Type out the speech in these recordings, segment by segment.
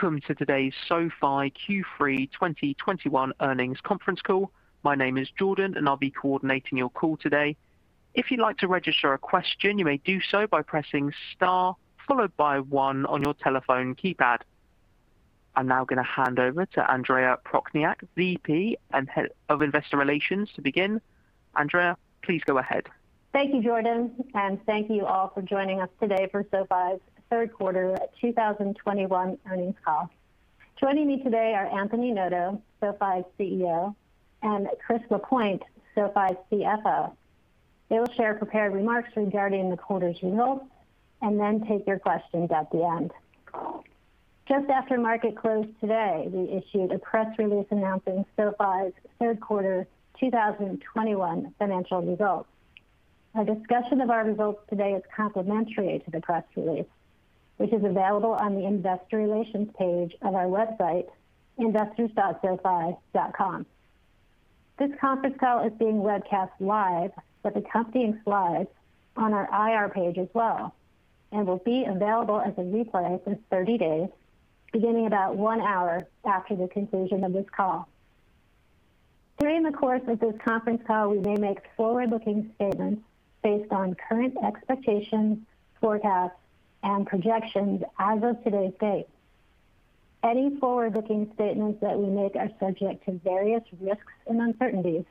Welcome to today's SoFi Q3 2021 earnings conference call. My name is Jordan, and I'll be coordinating your call today. If you'd like to register a question, you may do so by pressing star followed by one on your telephone keypad. I'm now gonna hand over to Andrea Prochniak, VP, Head of Investor Relations, to begin. Andrea, please go ahead. Thank you, Jordan, and thank you all for joining us today for SoFi's third quarter 2021 earnings call. Joining me today are Anthony Noto, SoFi's CEO, and Chris Lapointe, SoFi's CFO. They will share prepared remarks regarding the quarter's results and then take your questions at the end. Just after market close today, we issued a press release announcing SoFi's third quarter 2021 financial results. Our discussion of our results today is complementary to the press release, which is available on the investor relations page of our website, investors.sofi.com. This conference call is being webcast live with accompanying slides on our IR page as well, and will be available as a replay for 30 days, beginning about one hour after the conclusion of this call. During the course of this conference call, we may make forward-looking statements based on current expectations, forecasts, and projections as of today's date. Any forward-looking statements that we make are subject to various risks and uncertainties,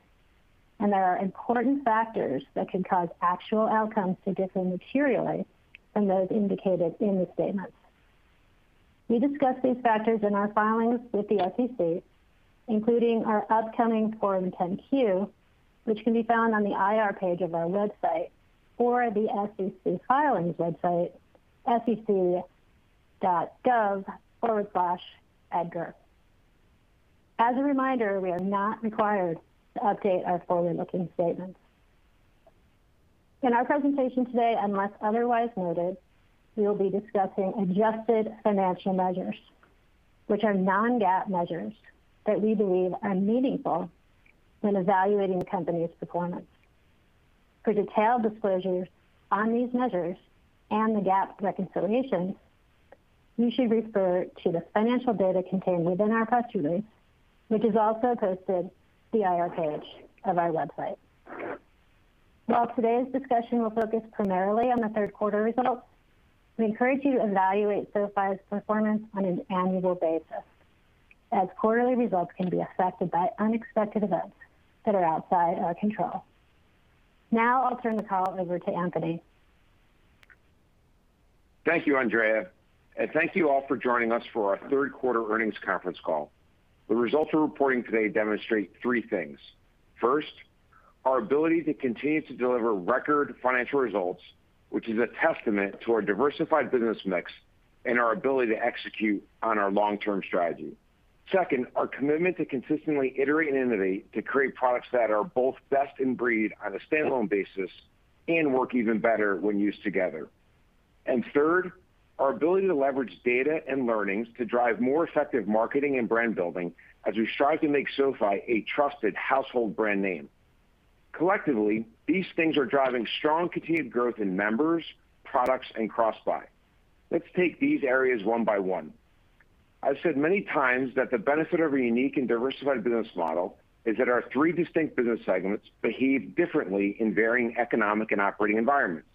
and there are important factors that could cause actual outcomes to differ materially from those indicated in the statements. We discuss these factors in our filings with the SEC, including our upcoming Form 10-Q, which can be found on the IR page of our website or the SEC filings website, sec.gov/edgar. As a reminder, we are not required to update our forward-looking statements. In our presentation today, unless otherwise noted, we will be discussing adjusted financial measures, which are non-GAAP measures that we believe are meaningful when evaluating the company's performance. For detailed disclosures on these measures and the GAAP reconciliation, you should refer to the financial data contained within our press release, which is also posted on the IR page of our website. While today's discussion will focus primarily on the third quarter results, we encourage you to evaluate SoFi's performance on an annual basis, as quarterly results can be affected by unexpected events that are outside our control. Now I'll turn the call over to Anthony. Thank you, Andrea, and thank you all for joining us for our third quarter earnings conference call. The results we're reporting today demonstrate three things. First, our ability to continue to deliver record financial results, which is a testament to our diversified business mix and our ability to execute on our long-term strategy. Second, our commitment to consistently iterate and innovate to create products that are both best in breed on a standalone basis and work even better when used together. Third, our ability to leverage data and learnings to drive more effective marketing and brand building as we strive to make SoFi a trusted household brand name. Collectively, these things are driving strong continued growth in members, products, and cross-buy. Let's take these areas one by one. I've said many times that the benefit of a unique and diversified business model is that our three distinct business segments behave differently in varying economic and operating environments.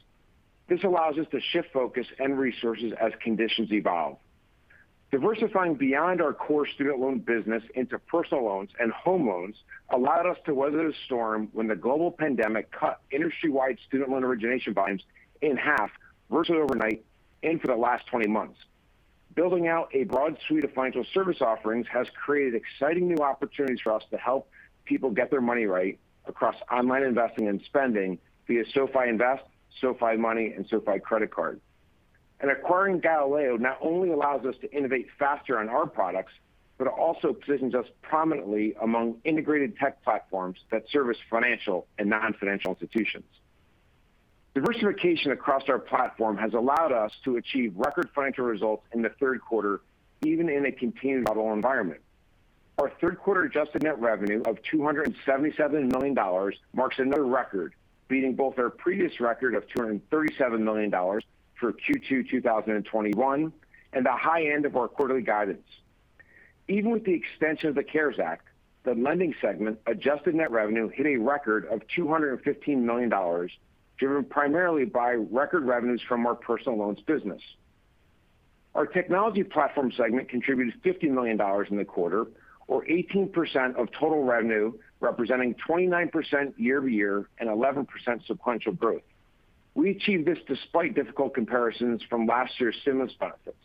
This allows us to shift focus and resources as conditions evolve. Diversifying beyond our core student loan business into personal loans and home loans allowed us to weather the storm when the global pandemic cut industry-wide student loan origination volumes in half virtually overnight and for the last 20 months. Building out a broad suite of financial service offerings has created exciting new opportunities for us to help people get their money right across online investing and spending via SoFi Invest, SoFi Money, and SoFi Credit Card. Acquiring Galileo not only allows us to innovate faster on our products, but also positions us prominently among integrated tech platforms that service financial and non-financial institutions. Diversification across our platform has allowed us to achieve record financial results in the third quarter, even in a continued volatile environment. Our third quarter adjusted net revenue of $277 million marks another record, beating both our previous record of $237 million for Q2 2021 and the high end of our quarterly guidance. Even with the extension of the CARES Act, the lending segment adjusted net revenue hit a record of $215 million, driven primarily by record revenues from our personal loans business. Our technology platform segment contributed $50 million in the quarter or 18% of total revenue, representing 29% year-over-year and 11% sequential growth. We achieved this despite difficult comparisons from last year's stimulus benefits.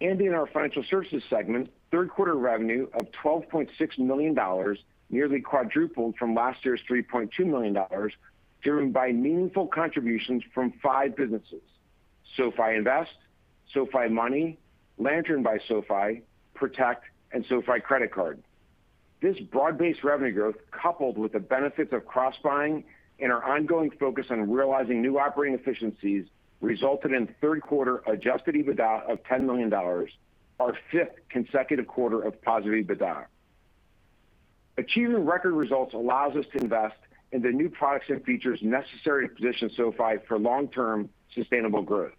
In our financial services segment, third quarter revenue of $12.6 million nearly quadrupled from last year's $3.2 million, driven by meaningful contributions from five businesses: SoFi Invest, SoFi Money, Lantern by SoFi, Protect, and SoFi Credit Card. This broad-based revenue growth, coupled with the benefits of cross-buying and our ongoing focus on realizing new operating efficiencies, resulted in third quarter adjusted EBITDA of $10 million, our fifth consecutive quarter of positive EBITDA. Achieving record results allows us to invest in the new products and features necessary to position SoFi for long-term sustainable growth.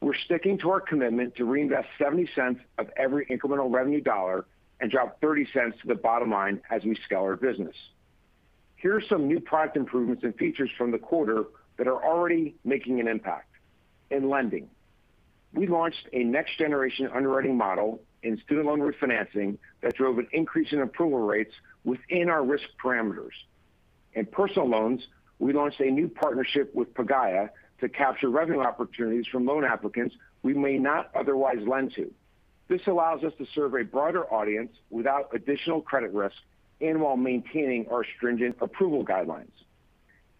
We're sticking to our commitment to reinvest $0.70 of every incremental revenue dollar and drop $0.30 to the bottom line as we scale our business. Here are some new product improvements and features from the quarter that are already making an impact. In lending, we launched a next-generation underwriting model in student loan refinancing that drove an increase in approval rates within our risk parameters. In personal loans, we launched a new partnership with Pagaya to capture revenue opportunities from loan applicants we may not otherwise lend to. This allows us to serve a broader audience without additional credit risk and while maintaining our stringent approval guidelines.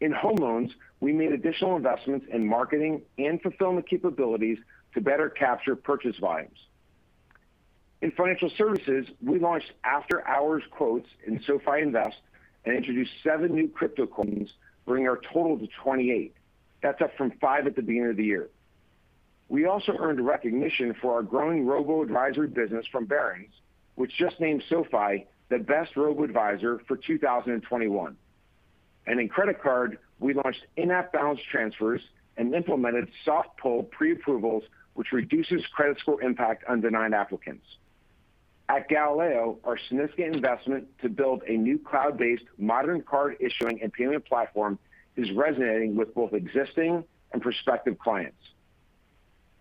In home loans, we made additional investments in marketing and fulfillment capabilities to better capture purchase volumes. In financial services, we launched after-hours quotes in SoFi Invest and introduced seven new crypto coins, bringing our total to 28. That's up from five at the beginning of the year. We also earned recognition for our growing robo-advisory business from Bankrate, which just named SoFi the Best Robo-Advisor for 2021. In credit card, we launched in-app balance transfers and implemented soft pull pre-approvals, which reduces credit score impact on denied applicants. At Galileo, our significant investment to build a new cloud-based modern card issuing and payment platform is resonating with both existing and prospective clients.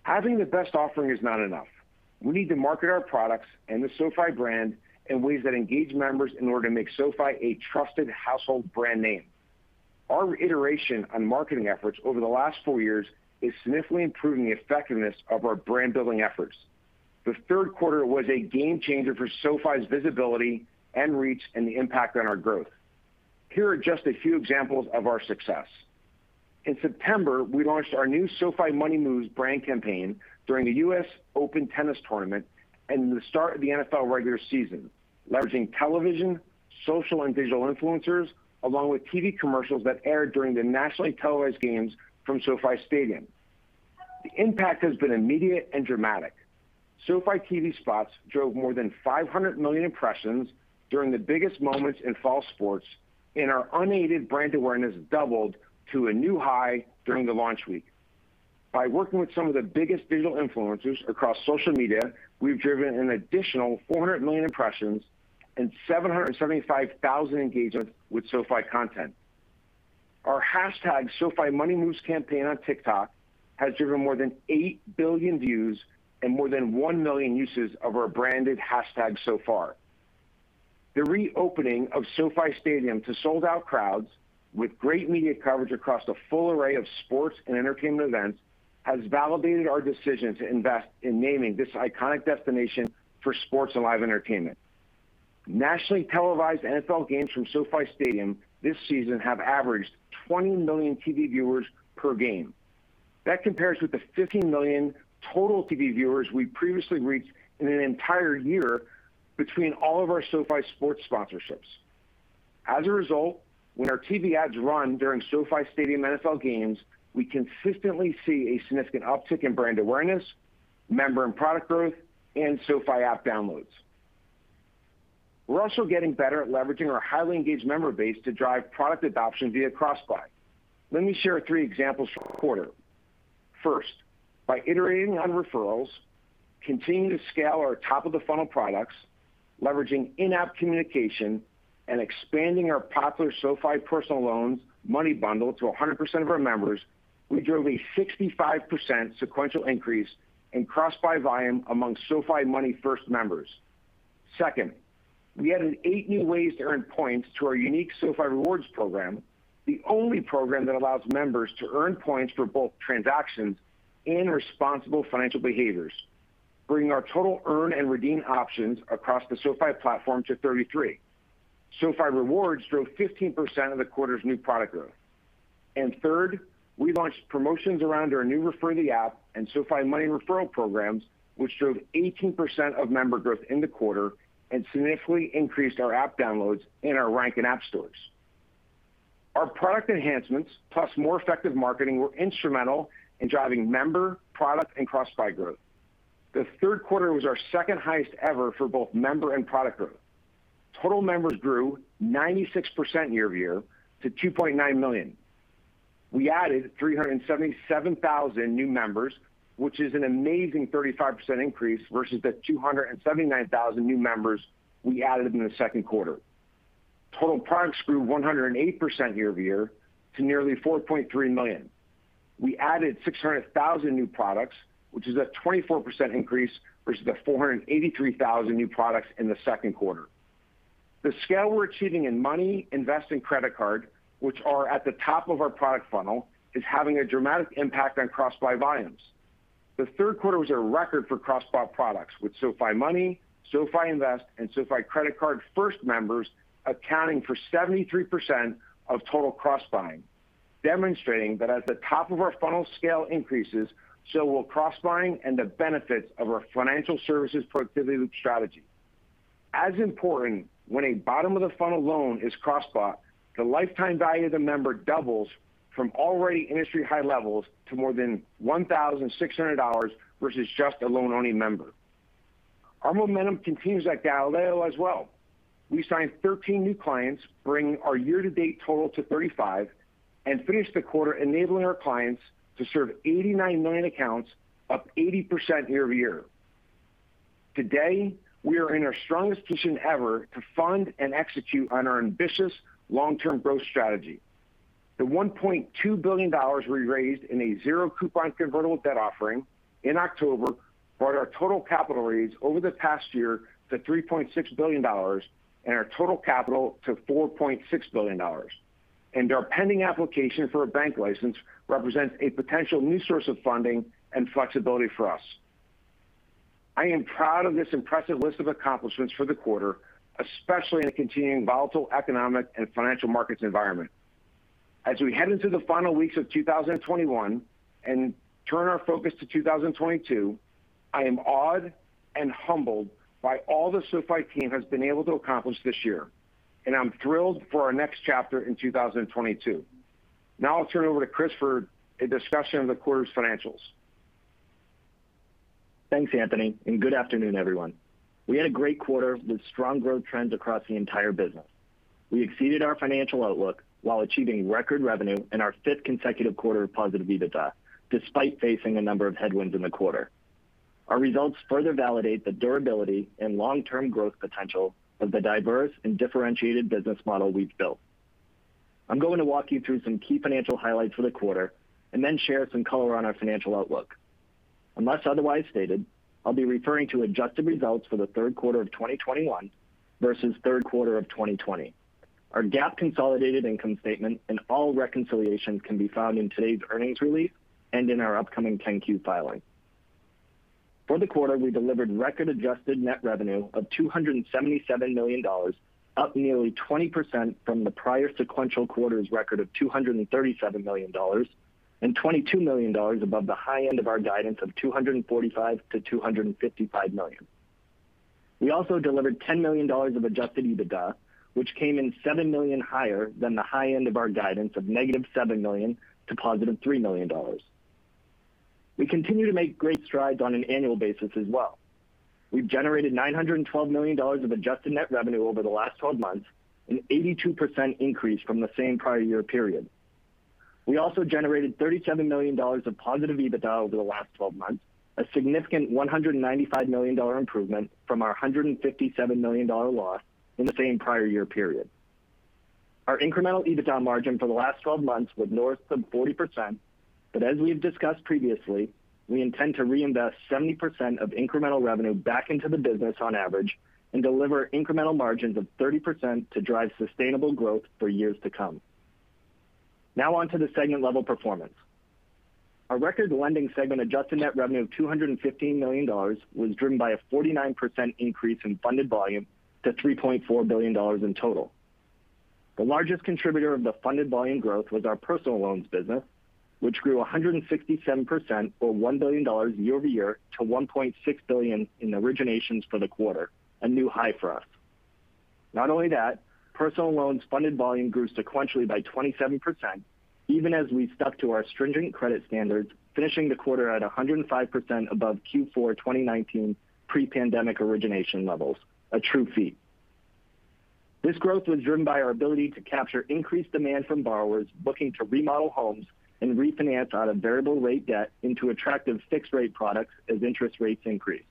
Having the best offering is not enough. We need to market our products and the SoFi brand in ways that engage members in order to make SoFi a trusted household brand name. Our iteration on marketing efforts over the last four years is significantly improving the effectiveness of our brand-building efforts. The third quarter was a game-changer for SoFi's visibility and reach and the impact on our growth. Here are just a few examples of our success. In September, we launched our new SoFi Money Moves brand campaign during the U.S. Open tennis tournament and the start of the NFL regular season, leveraging television, social and digital influencers, along with TV commercials that aired during the nationally televised games from SoFi Stadium. The impact has been immediate and dramatic. SoFi TV spots drove more than 500 million impressions during the biggest moments in fall sports, and our unaided brand awareness doubled to a new high during the launch week. By working with some of the biggest digital influencers across social media, we've driven an additional 400 million impressions and 775,000 engagements with SoFi content. Our #SoFiMoneyMoves campaign on TikTok has driven more than 8 billion views and more than 1 million uses of our branded hashtag so far. The reopening of SoFi Stadium to sold-out crowds, with great media coverage across a full array of sports and entertainment events has validated our decision to invest in naming this iconic destination for sports and live entertainment. Nationally televised NFL games from SoFi Stadium this season have averaged 20 million TV viewers per game. That compares with the 15 million total TV viewers we previously reached in an entire year between all of our SoFi sports sponsorships. As a result, when our TV ads run during SoFi Stadium NFL games, we consistently see a significant uptick in brand awareness, member and product growth, and SoFi app downloads. We're also getting better at leveraging our highly engaged member base to drive product adoption via cross-buy. Let me share three examples from the quarter. First, by iterating on referrals, continuing to scale our top-of-the-funnel products, leveraging in-app communication, and expanding our popular SoFi personal loans money bundle to 100% of our members, we drove a 65% sequential increase in cross-buy volume among SoFi Money first members. Second, we added eight new ways to earn points to our unique SoFi Rewards program, the only program that allows members to earn points for both transactions and responsible financial behaviors, bringing our total earn and redeem options across the SoFi platform to 33. SoFi Rewards drove 15% of the quarter's new product growth. Third, we launched promotions around our new Refer the App and SoFi Money referral programs, which drove 18% of member growth in the quarter and significantly increased our app downloads and our rank in app stores. Our product enhancements, plus more effective marketing, were instrumental in driving member, product, and cross-buy growth. The third quarter was our second-highest ever for both member and product growth. Total members grew 96% year-over-year to 2.9 million. We added 377,000 new members, which is an amazing 35% increase versus the 279,000 new members we added in the second quarter. Total products grew 108% year-over-year to nearly 4.3 million. We added 600,000 new products, which is a 24% increase versus the 483,000 new products in the second quarter. The scale we're achieving in Money, Invest, and Credit Card, which are at the top of our product funnel, is having a dramatic impact on cross-buy volumes. The third quarter was a record for cross-buy products, with SoFi Money, SoFi Invest, and SoFi Credit Card first members accounting for 73% of total cross-buying, demonstrating that as the top of our funnel scale increases, so will cross-buying and the benefits of our financial services productivity loop strategy. As important, when a bottom-of-the-funnel loan is cross-bought, the lifetime value of the member doubles from already industry-high levels to more than $1,600 versus just a loan-only member. Our momentum continues at Galileo as well. We signed 13 new clients, bringing our year-to-date total to 35, and finished the quarter enabling our clients to serve 89 million accounts, up 80% year-over-year. Today, we are in our strongest position ever to fund and execute on our ambitious long-term growth strategy. The $1.2 billion we raised in a zero coupon convertible debt offering in October brought our total capital raised over the past year to $3.6 billion, and our total capital to $4.6 billion. Our pending application for a bank license represents a potential new source of funding and flexibility for us. I am proud of this impressive list of accomplishments for the quarter, especially in a continuing volatile economic and financial markets environment. As we head into the final weeks of 2021 and turn our focus to 2022, I am awed and humbled by all the SoFi team has been able to accomplish this year. I'm thrilled for our next chapter in 2022. Now I'll turn it over to Chris for a discussion of the quarter's financials. Thanks, Anthony, and good afternoon, everyone. We had a great quarter with strong growth trends across the entire business. We exceeded our financial outlook while achieving record revenue and our fifth consecutive quarter of positive EBITDA, despite facing a number of headwinds in the quarter. Our results further validate the durability and long-term growth potential of the diverse and differentiated business model we've built. I'm going to walk you through some key financial highlights for the quarter and then share some color on our financial outlook. Unless otherwise stated, I'll be referring to adjusted results for the third quarter of 2021 versus third quarter of 2020. Our GAAP consolidated income statement and all reconciliations can be found in today's earnings release and in our upcoming 10-Q filing. For the quarter, we delivered record adjusted net revenue of $277 million, up nearly 20% from the prior sequential quarter's record of $237 million, and $22 million above the high end of our guidance of $245 million-$255 million. We also delivered $10 million of adjusted EBITDA, which came in $7 million higher than the high end of our guidance of -$7 million to +$3 million. We continue to make great strides on an annual basis as well. We've generated $912 million of adjusted net revenue over the last 12 months, an 82% increase from the same prior year period. We also generated $37 million of positive EBITDA over the last 12 months, a significant $195 million improvement from our $157 million loss in the same prior year period. Our incremental EBITDA margin for the last 12 months was north of 40%. As we've discussed previously, we intend to reinvest 70% of incremental revenue back into the business on average and deliver incremental margins of 30% to drive sustainable growth for years to come. Now on to the segment level performance. Our record lending segment adjusted net revenue of $215 million was driven by a 49% increase in funded volume to $3.4 billion in total. The largest contributor of the funded volume growth was our personal loans business, which grew 167% or $1 billion year-over-year to $1.6 billion in originations for the quarter, a new high for us. Not only that, personal loans funded volume grew sequentially by 27%, even as we stuck to our stringent credit standards, finishing the quarter at 105% above Q4 2019 pre-pandemic origination levels. A true feat. This growth was driven by our ability to capture increased demand from borrowers looking to remodel homes and refinance out of variable rate debt into attractive fixed rate products as interest rates increased.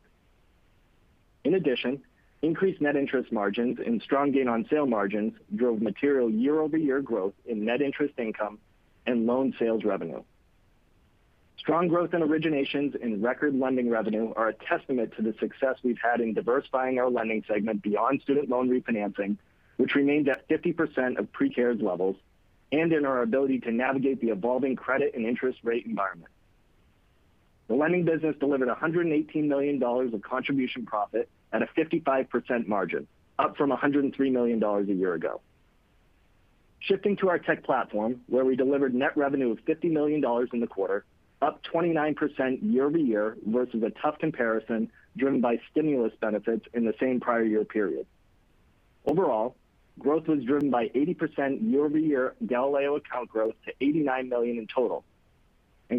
In addition, increased net interest margins and strong gain on sale margins drove material year-over-year growth in net interest income and loan sales revenue. Strong growth in originations and record lending revenue are a testament to the success we've had in diversifying our lending segment beyond student loan refinancing, which remained at 50% of pre-COVID levels, and in our ability to navigate the evolving credit and interest rate environment. The lending business delivered $118 million of contribution profit at a 55% margin, up from $103 million a year ago. Shifting to our tech platform, where we delivered net revenue of $50 million in the quarter, up 29% year-over-year versus a tough comparison driven by stimulus benefits in the same prior year period. Overall, growth was driven by 80% year-over-year Galileo account growth to 89 million in total.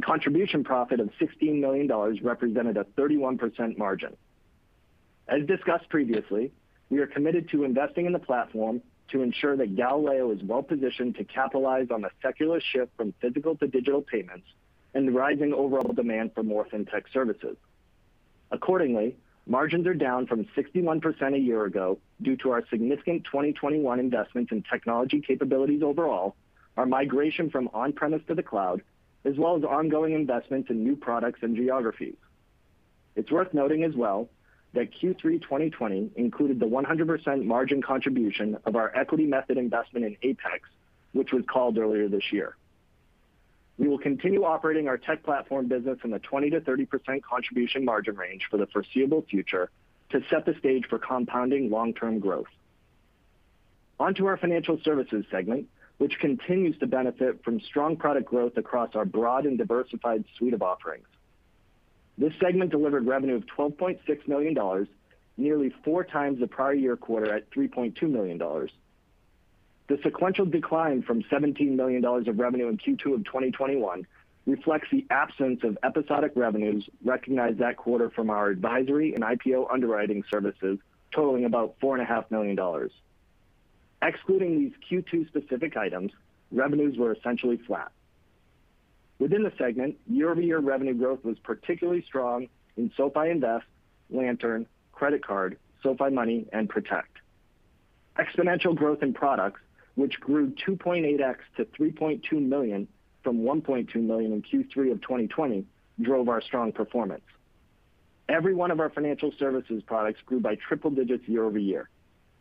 Contribution profit of $16 million represented a 31% margin. As discussed previously, we are committed to investing in the platform to ensure that Galileo is well-positioned to capitalize on the secular shift from physical to digital payments and the rising overall demand for more fintech services. Accordingly, margins are down from 61% a year ago due to our significant 2021 investments in technology capabilities overall, our migration from on-premise to the cloud, as well as ongoing investments in new products and geographies. It's worth noting as well that Q3 2020 included the 100% margin contribution of our equity method investment in Apex, which was called earlier this year. We will continue operating our tech platform business in the 20%-30% contribution margin range for the foreseeable future to set the stage for compounding long-term growth. On to our financial services segment, which continues to benefit from strong product growth across our broad and diversified suite of offerings. This segment delivered revenue of $12.6 million, nearly 4x the prior year quarter at $3.2 million. The sequential decline from $17 million of revenue in Q2 of 2021 reflects the absence of episodic revenues recognized that quarter from our advisory and IPO underwriting services, totaling about $4.5 million. Excluding these Q2 specific items, revenues were essentially flat. Within the segment, year-over-year revenue growth was particularly strong in SoFi Invest, Lantern, Credit Card, SoFi Money, and Protect. Exponential growth in products which grew 2.8x to $3.2 million from $1.2 million in Q3 of 2020 drove our strong performance. Every one of our financial services products grew by triple digits year-over-year.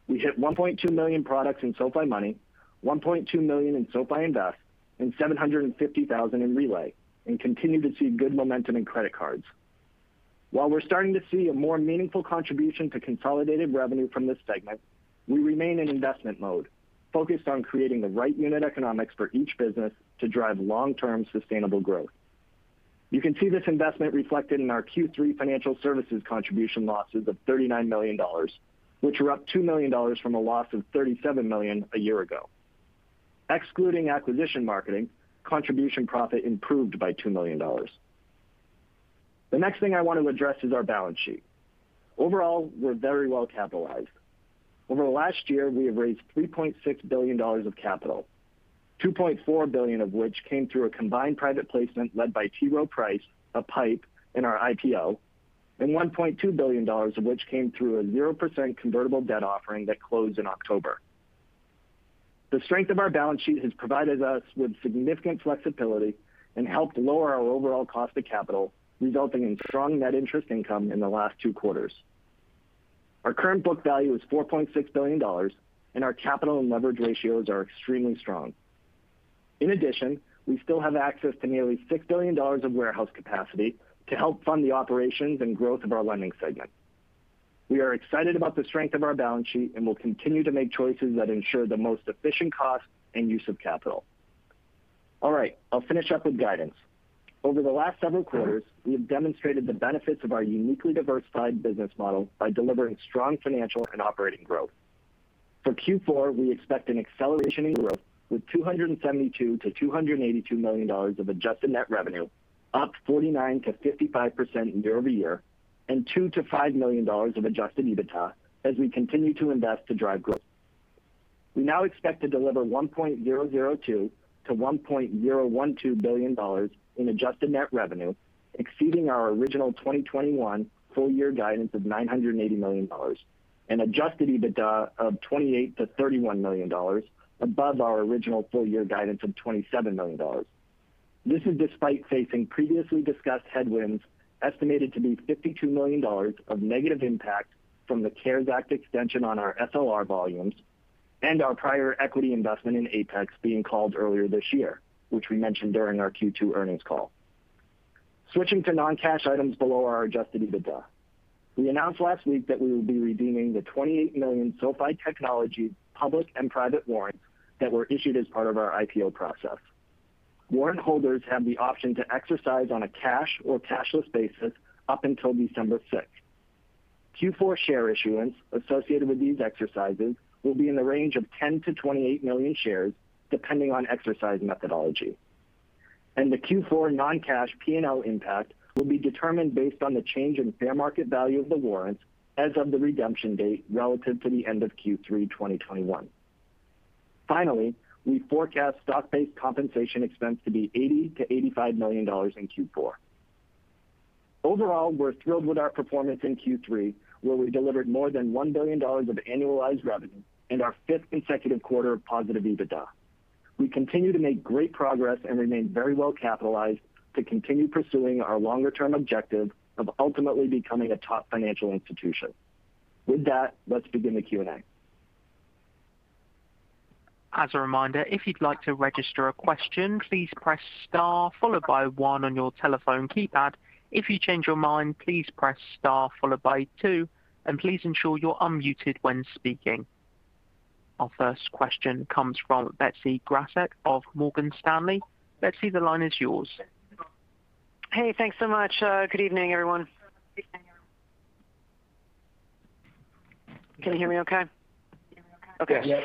We hit 1.2 million products in SoFi Money, 1.2 million in SoFi Invest, and 750,000 in Relay, and continue to see good momentum in credit cards. While we're starting to see a more meaningful contribution to consolidated revenue from this segment, we remain in investment mode, focused on creating the right unit economics for each business to drive long-term sustainable growth. You can see this investment reflected in our Q3 financial services contribution losses of $39 million, which were up $2 million from a loss of $37 million a year ago. Excluding acquisition marketing, contribution profit improved by $2 million. The next thing I want to address is our balance sheet. Overall, we're very well-capitalized. Over the last year, we have raised $3.6 billion of capital, $2.4 billion of which came through a combined private placement led by T. Rowe Price, a PIPE in our IPO, and $1.2 billion of which came through a 0% convertible debt offering that closed in October. The strength of our balance sheet has provided us with significant flexibility and helped lower our overall cost of capital, resulting in strong net interest income in the last two quarters. Our current book value is $4.6 billion, and our capital and leverage ratios are extremely strong. In addition, we still have access to nearly $6 billion of warehouse capacity to help fund the operations and growth of our lending segment. We are excited about the strength of our balance sheet, and will continue to make choices that ensure the most efficient cost and use of capital. All right, I'll finish up with guidance. Over the last several quarters, we have demonstrated the benefits of our uniquely diversified business model by delivering strong financial and operating growth. For Q4, we expect an acceleration in growth with $272 million-$282 million of adjusted net revenue, up 49%-55% year-over-year, and $2 million-$5 million of adjusted EBITDA as we continue to invest to drive growth. We now expect to deliver $1.002 billion-$1.012 billion in adjusted net revenue, exceeding our original 2021 full-year guidance of $980 million and adjusted EBITDA of $28 million-$31 million above our original full-year guidance of $27 million. This is despite facing previously discussed headwinds, estimated to be $52 million of negative impact from the CARES Act extension on our SLR volumes and our prior equity investment in Apex being called earlier this year, which we mentioned during our Q2 earnings call. Switching to non-cash items below our adjusted EBITDA. We announced last week that we will be redeeming the 28 million SoFi Technologies public and private warrants that were issued as part of our IPO process. Warrant holders have the option to exercise on a cash or cashless basis up until December 6. Q4 share issuance associated with these exercises will be in the range of 10 million-28 million shares, depending on exercise methodology. Q4 non-cash P&L impact will be determined based on the change in fair market value of the warrants as of the redemption date relative to the end of Q3 2021. Finally, we forecast stock-based compensation expense to be $80 million-$85 million in Q4. Overall, we're thrilled with our performance in Q3, where we delivered more than $1 billion of annualized revenue and our fifth consecutive quarter of positive EBITDA. We continue to make great progress and remain very well-capitalized to continue pursuing our longer-term objective of ultimately becoming a top financial institution. With that, let's begin the Q&A. As a reminder, if you'd like to register a question, please press star followed by one on your telephone keypad. If you change your mind, please press star followed by two, and please ensure you're unmuted when speaking. Our first question comes from Betsy Graseck of Morgan Stanley. Betsy, the line is yours. Hey, thanks so much. Good evening everyone. Can you hear me okay? Yes.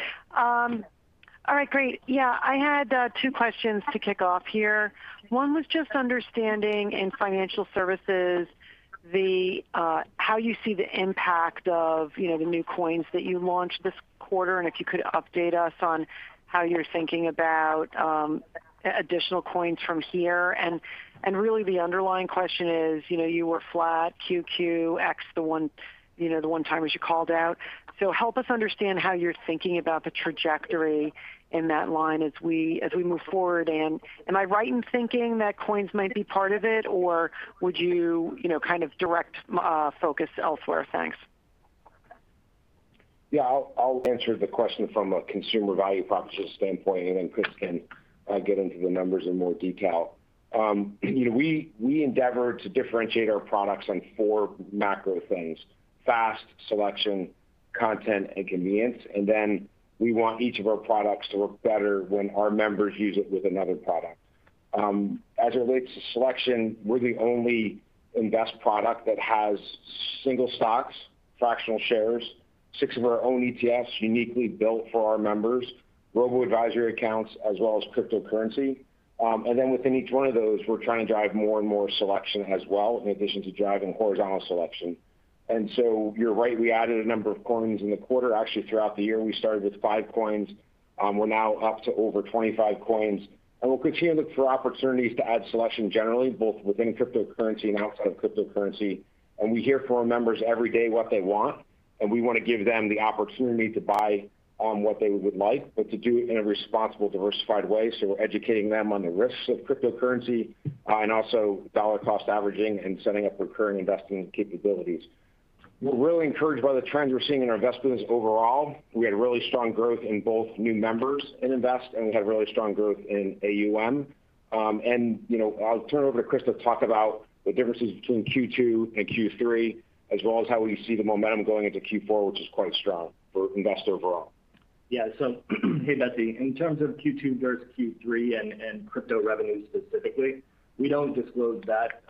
All right, great. Yeah, I had two questions to kick off here. One was just understanding in financial services the, how you see the impact of, you know, the new coins that you launched this quarter, and if you could update us on how you're thinking about additional coins from here. Really, the underlying question is, you know, you were flat QoQ ex the one-timers you called out. Help us understand how you're thinking about the trajectory in that line as we move forward. Am I right in thinking that coins might be part of it, or would you know, kind of direct focus elsewhere? Thanks. Yeah, I'll answer the question from a consumer value proposition standpoint, and then Chris can get into the numbers in more detail. You know, we endeavor to differentiate our products on four macro things, fast, selection, content, and convenience. We want each of our products to work better when our members use it with another product. As it relates to selection, we're the only Invest product that has single stocks, fractional shares, six of our own ETFs uniquely built for our members, robo-advisory accounts, as well as cryptocurrency. Within each one of those, we're trying to drive more and more selection as well, in addition to driving horizontal selection. You're right, we added a number of coins in the quarter, actually throughout the year. We started with five coins, we're now up to over 25 coins. We'll continue to look for opportunities to add selection generally, both within cryptocurrency and outside of cryptocurrency. We hear from our members every day what they want, and we want to give them the opportunity to buy what they would like, but to do it in a responsible, diversified way. We're educating them on the risks of cryptocurrency, and also dollar cost averaging and setting up recurring investing capabilities. We're really encouraged by the trends we're seeing in our Invest business overall. We had really strong growth in both new members in Invest, and we had really strong growth in AUM. You know, I'll turn it over to Chris to talk about the differences between Q2 and Q3, as well as how we see the momentum going into Q4, which is quite strong for Invest overall. Yeah. Hey, Betsy, in terms of Q2 versus Q3 and crypto revenue specifically, we don't disclose that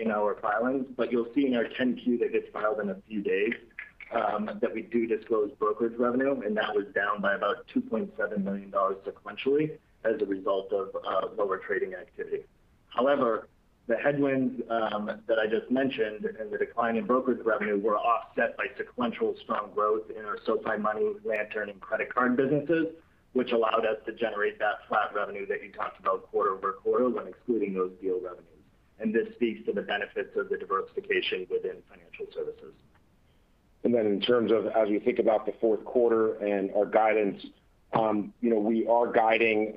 in our filings, but you'll see in our 10-Q that gets filed in a few days that we do disclose brokerage revenue, and that was down by about $2.7 million sequentially as a result of lower trading activity. However, the headwinds that I just mentioned and the decline in brokerage revenue were offset by sequential strong growth in our SoFi Money, Lantern, and Credit Card businesses, which allowed us to generate that flat revenue that you talked about quarter-over-quarter when excluding those deal revenues. This speaks to the benefits of the diversification within financial services. In terms of, as we think about the fourth quarter and our guidance, you know, we are guiding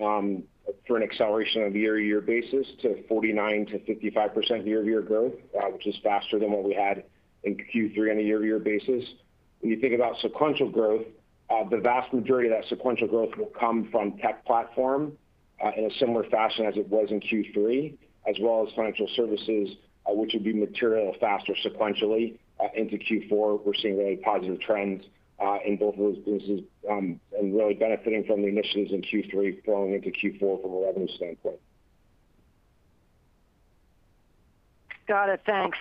for an acceleration on a year-over-year basis to 49%-55% year-over-year growth, which is faster than what we had in Q3 on a year-over-year basis. When you think about sequential growth, the vast majority of that sequential growth will come from tech platform, in a similar fashion as it was in Q3, as well as financial services, which will be material faster sequentially, into Q4. We're seeing really positive trends in both of those businesses and really benefiting from the initiatives in Q3 flowing into Q4 from a revenue standpoint. Got it. Thanks.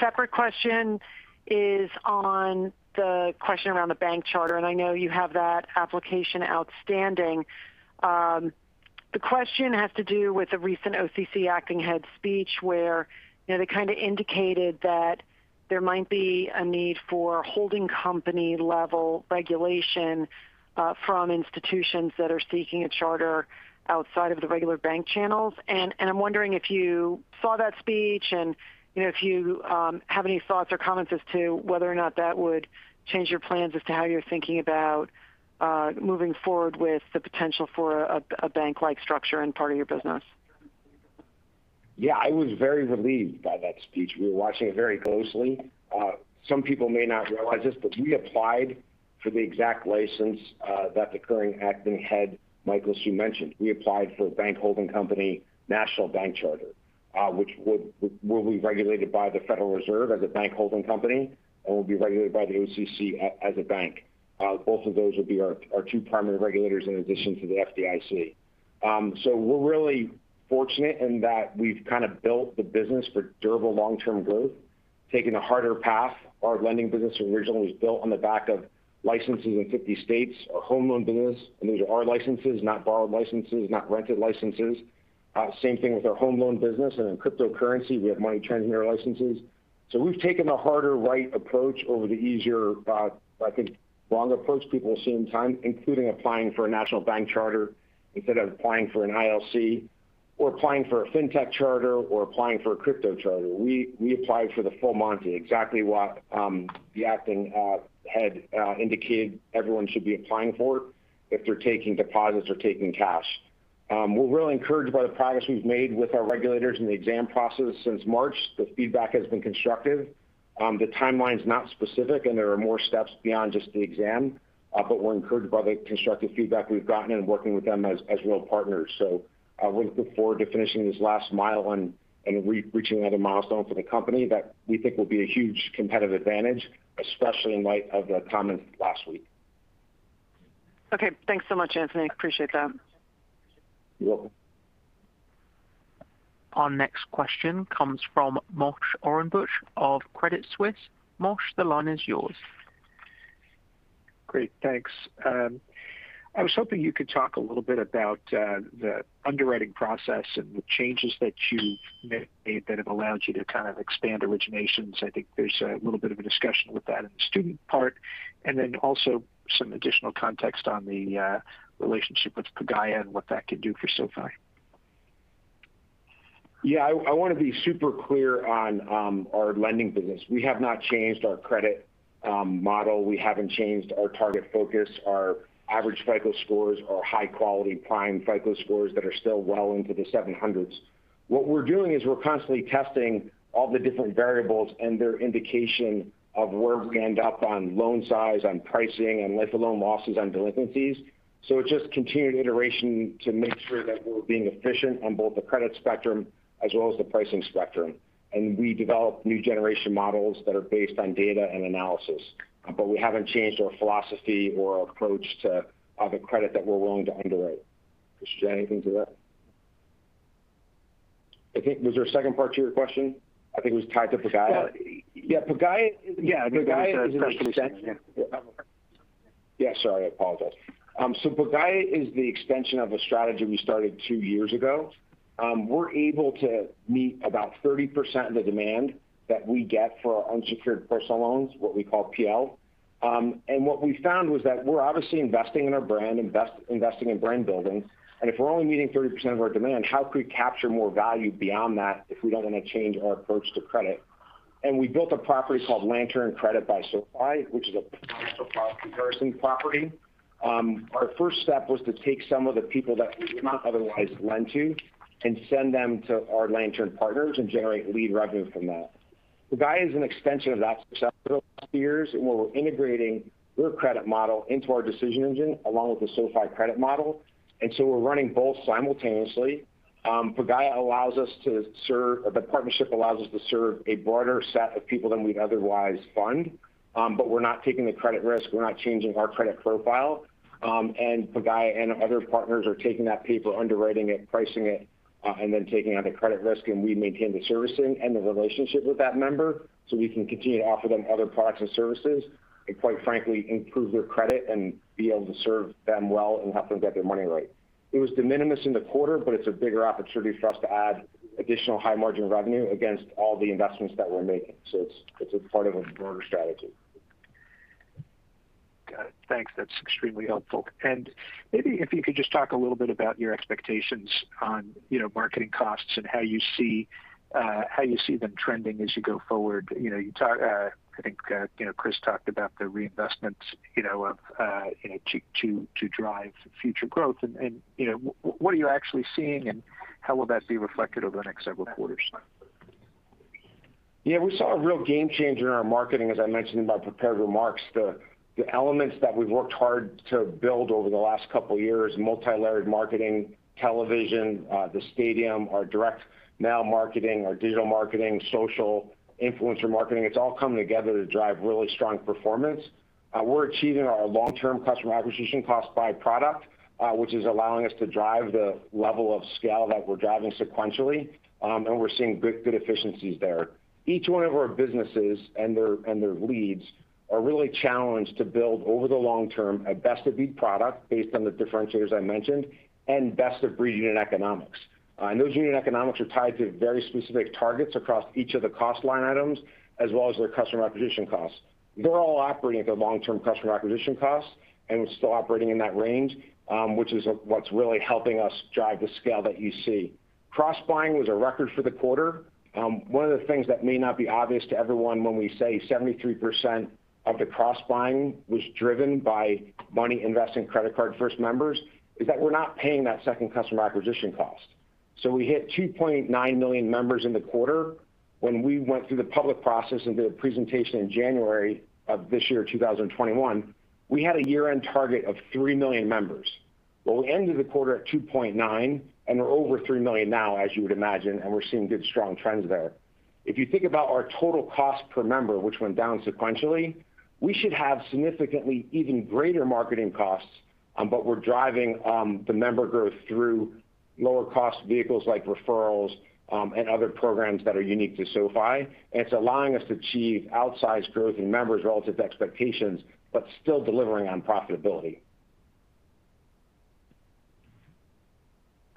Separate question is on the question around the bank charter, and I know you have that application outstanding. The question has to do with the recent OCC Acting Head speech where, you know, they kind of indicated that there might be a need for holding company-level regulation from institutions that are seeking a charter outside of the regular bank channels. I'm wondering if you saw that speech and, you know, if you have any thoughts or comments as to whether or not that would change your plans as to how you're thinking about moving forward with the potential for a bank-like structure in part of your business. Yeah, I was very relieved by that speech. We were watching it very closely. Some people may not realize this, but we applied for the exact license that the current Acting Head, Michael Hsu, mentioned. We applied for a bank holding company, national bank charter, which we'll be regulated by the Federal Reserve as a bank holding company, and we'll be regulated by the OCC as a bank. Both of those will be our two primary regulators in addition to the FDIC. We're really fortunate in that we've kind of built the business for durable long-term growth, taking a harder path. Our lending business was originally built on the back of licenses in 50 states. Our home loan business, these are our licenses, not borrowed licenses, not rented licenses. Same thing with our home loan business and in cryptocurrency, we have money transmitter licenses. We've taken a harder, right approach over the easier, I think, wrong approach people assume, at the time, including applying for a national bank charter instead of applying for an ILC or applying for a fintech charter or applying for a crypto charter. We applied for the full Monty, exactly what the Acting Head indicated everyone should be applying for if they're taking deposits or taking cash. We're really encouraged by the progress we've made with our regulators in the exam process since March. The feedback has been constructive. The timeline's not specific, and there are more steps beyond just the exam, but we're encouraged by the constructive feedback we've gotten and working with them as real partners. We look forward to finishing this last mile and reaching another milestone for the company that we think will be a huge competitive advantage, especially in light of the comments last week. Okay. Thanks so much, Anthony. Appreciate that. You're welcome. Our next question comes from Moshe Orenbuch of Credit Suisse. Moshe, the line is yours. Great. Thanks. I was hoping you could talk a little bit about the underwriting process and the changes that you've made that have allowed you to kind of expand originations. I think there's a little bit of a discussion with that in the student part. Also some additional context on the relationship with Pagaya and what that could do for SoFi. Yeah, I wanna be super clear on our lending business. We have not changed our credit model. We haven't changed our target focus. Our average FICO scores are high quality prime FICO scores that are still well into the 700s. What we're doing is we're constantly testing all the different variables and their indication of where we end up on loan size, on pricing, on life of loan losses, on delinquencies. So it's just continued iteration to make sure that we're being efficient on both the credit spectrum as well as the pricing spectrum. We develop new generation models that are based on data and analysis. We haven't changed our philosophy or approach to the credit that we're willing to underwrite. Chris, you have anything to add? I think, was there a second part to your question? I think it was tied to Pagaya. Yeah. Yeah, Pagaya. Yeah, Pagaya is an extension. Yeah. Yeah, sorry, I apologize. Pagaya is the extension of a strategy we started two years ago. We're able to meet about 30% of the demand that we get for our unsecured personal loans, what we call PL. What we found was that, we're obviously investing in our brand, investing in brand building. If we're only meeting 30% of our demand, how could we capture more value beyond that if we don't want to change our approach to credit? We built a property called Lantern Credit by SoFi, which is a potential product comparison property. Our first step was to take some of the people that we would not otherwise lend to and send them to our Lantern partners and generate lead revenue from that. Pagaya is an extension of that years, and we're integrating their credit model into our decision engine along with the SoFi credit model. We're running both simultaneously. Pagaya allows us to serve, the partnership allows us to serve a broader set of people than we'd otherwise fund. We're not taking the credit risk. We're not changing our credit profile. Pagaya and other partners are taking that paper, underwriting it, pricing it, and then taking on the credit risk, and we maintain the servicing and the relationship with that member, so we can continue to offer them other products and services, and quite frankly, improve their credit and be able to serve them well and help them get their money right. It was de minimis in the quarter, but it's a bigger opportunity for us to add additional high-margin revenue against all the investments that we're making. It's a part of a broader strategy. Got it. Thanks. That's extremely helpful. Maybe if you could just talk a little bit about your expectations on, you know, marketing costs and how you see them trending as you go forward. You know, I think, you know, Chris talked about the reinvestments, you know, of, you know, to drive future growth. You know, what are you actually seeing, and how will that be reflected over the next several quarters? Yeah, we saw a real game changer in our marketing, as I mentioned in my prepared remarks. The elements that we've worked hard to build over the last couple of years, multilayered marketing, television, the stadium, our direct mail marketing, our digital marketing, social influencer marketing, it's all coming together to drive really strong performance. We're achieving our long-term customer acquisition cost by product, which is allowing us to drive the level of scale that we're driving sequentially, and we're seeing good efficiencies there. Each one of our businesses and their leads are really challenged to build over the long term a best-of-breed product based on the differentiators I mentioned, and best-of-breed unit economics. Those unit economics are tied to very specific targets across each of the cost line items, as well as their customer acquisition costs. They're all operating at their long-term customer acquisition costs, and we're still operating in that range, which is what's really helping us drive the scale that you see. Cross-buying was a record for the quarter. One of the things that may not be obvious to everyone when we say 73% of the cross-buying was driven by Money, Invest, and Credit Card first members is that we're not paying that second customer acquisition cost. We hit 2.9 million members in the quarter. When we went through the public process and did a presentation in January of this year, 2021, we had a year-end target of 3 million members. Well, we ended the quarter at 2.9 million, and we're over 3 million now, as you would imagine, and we're seeing good, strong trends there. If you think about our total cost per member, which went down sequentially, we should have significantly even greater marketing costs, but we're driving the member growth through lower-cost vehicles like referrals, and other programs that are unique to SoFi. It's allowing us to achieve outsized growth in members relative to expectations, but still delivering on profitability.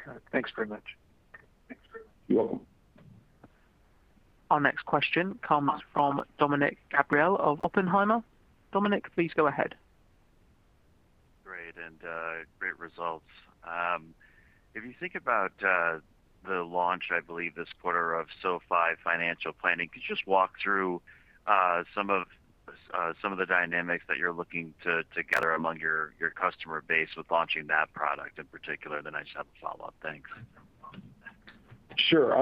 Got it. Thanks very much. You're welcome. Our next question comes from Dominick Gabriele of Oppenheimer. Dominick, please go ahead. Great, great results. If you think about the launch, I believe this quarter, of SoFi Financial Planning, could you just walk through some of the dynamics that you're looking to gather among your customer base with launching that product in particular? Then I just have a follow-up. Thanks. Sure.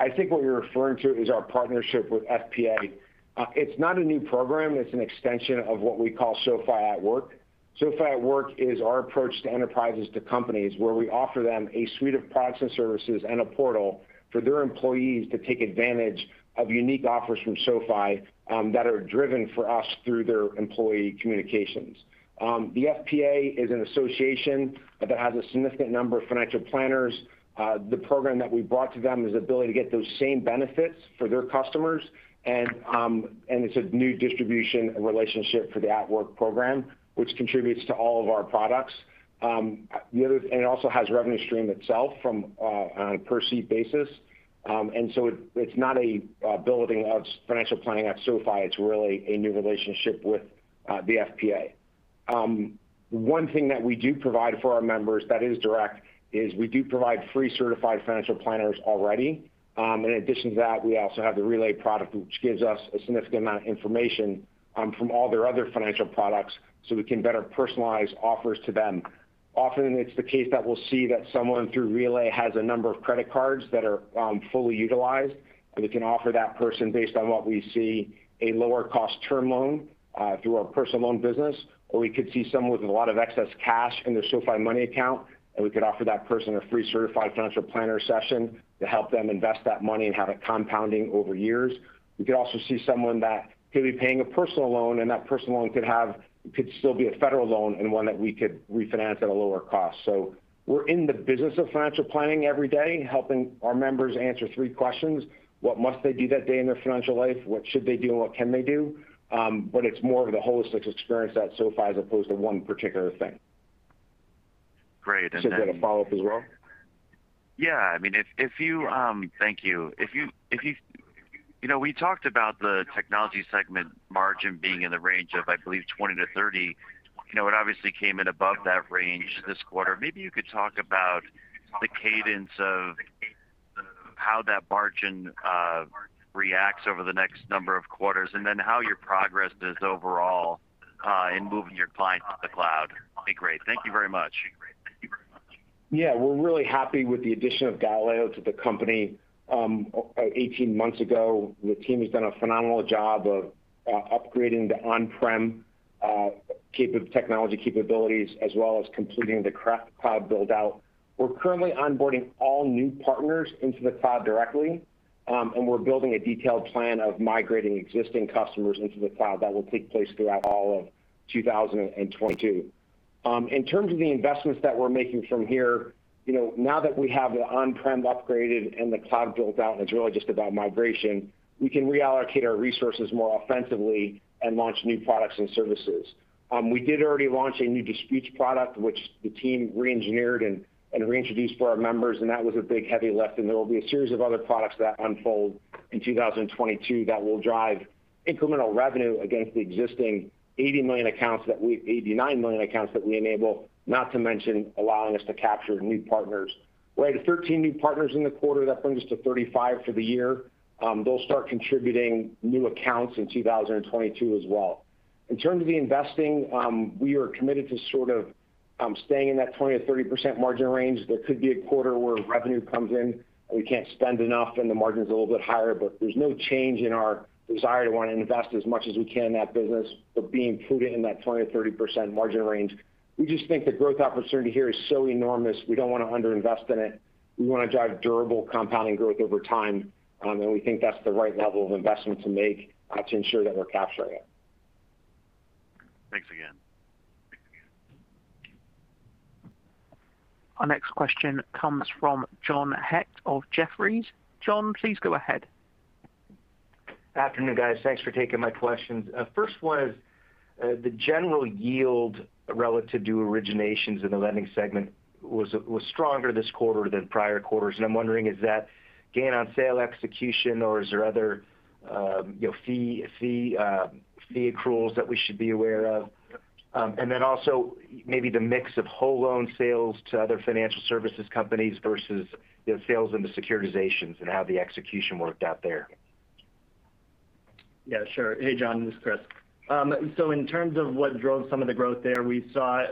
I think what you're referring to is our partnership with FPA. It's not a new program. It's an extension of what we call SoFi at Work. SoFi at Work is our approach to enterprises, to companies, where we offer them a suite of products and services and a portal for their employees to take advantage of unique offers from SoFi that are driven for us through their employee communications. The FPA is an association that has a significant number of financial planners. The program that we brought to them is the ability to get those same benefits for their customers. It's a new distribution relationship for the at Work program, which contributes to all of our products. It also has revenue stream itself from, on a per seat basis. It's not a building out financial planning at SoFi, it's really a new relationship with the FPA. One thing that we do provide for our members that is direct is we do provide free certified financial planners already. In addition to that, we also have the Relay product, which gives us a significant amount of information from all their other financial products, so we can better personalize offers to them. Often it's the case that we'll see that someone through Relay has a number of credit cards that are fully utilized, and we can offer that person based on what we see a lower cost term loan through our personal loan business. We could see someone with a lot of excess cash in their SoFi Money account, and we could offer that person a free certified financial planner session to help them invest that money and have it compounding over years. We could also see someone that could be paying a personal loan, and that personal loan could still be a federal loan and one that we could refinance at a lower cost. We're in the business of financial planning every day, helping our members answer three questions. What must they do that day in their financial life? What should they do? And what can they do? It's more of the holistic experience at SoFi as opposed to one particular thing. Great. follow-up as well? Thank you. You know, we talked about the technology segment margin being in the range of, I believe, 20%-30%. You know, it obviously came in above that range this quarter. Maybe you could talk about the cadence of how that margin reacts over the next number of quarters, and then how your progress is overall in moving your clients to the cloud, that would be great. Thank you very much. Yeah. We're really happy with the addition of Galileo to the company about 18 months ago. The team has done a phenomenal job of upgrading the on-prem technology capabilities, as well as completing the cloud build-out. We're currently onboarding all new partners into the cloud directly, and we're building a detailed plan of migrating existing customers into the cloud that will take place throughout all of 2022. In terms of the investments that we're making from here, you know, now that we have the on-prem upgraded and the cloud built out, and it's really just about migration, we can reallocate our resources more offensively and launch new products and services. We did already launch a new dispute product, which the team reengineered and reintroduced for our members, and that was a big heavy lift. There will be a series of other products that unfold in 2022 that will drive incremental revenue against the existing 89 million accounts that we enable, not to mention allowing us to capture new partners. We added 13 new partners in the quarter. That brings us to 35 for the year. They'll start contributing new accounts in 2022 as well. In terms of the investing, we are committed to sort of staying in that 20%-30% margin range. There could be a quarter where revenue comes in and we can't spend enough, and the margin's a little bit higher. There's no change in our desire to want to invest as much as we can in that business, but being prudent in that 20%-30% margin range. We just think the growth opportunity here is so enormous, we don't want to under-invest in it. We want to drive durable compounding growth over time, and we think that's the right level of investment to make, to ensure that we're capturing it. Thanks again. Our next question comes from John Hecht of Jefferies. John, please go ahead. Afternoon, guys. Thanks for taking my questions. First one is, the general yield relative to originations in the lending segment was stronger this quarter than prior quarters. I'm wondering is that gain on sale execution or is there other, you know, fee accruals that we should be aware of? Then also, maybe the mix of whole loan sales to other financial services companies versus, you know, sales into securitizations and how the execution worked out there. Yeah, sure. Hey, John, this is Chris. In terms of what drove some of the growth there, we saw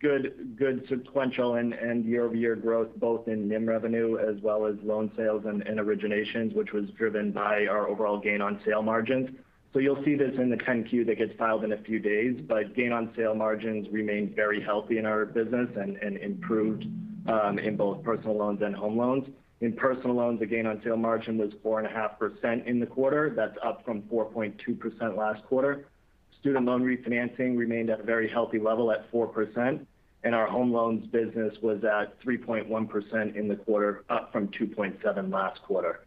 good sequential and year-over-year growth both in NIM revenue as well as loan sales and originations, which was driven by our overall gain on sale margins. You'll see this in the 10-Q that gets filed in a few days. Gain on sale margins remained very healthy in our business and improved in both personal loans and home loans. In personal loans, the gain on sale margin was 4.5% in the quarter. That's up from 4.2% last quarter. Student loan refinancing remained at a very healthy level at 4%. Our home loans business was at 3.1% in the quarter, up from 2.7% last quarter.